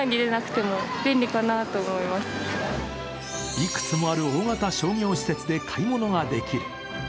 いくつもある大型商業施設で買い物ができる。